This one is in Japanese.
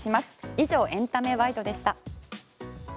以上、エンタメワイドでした。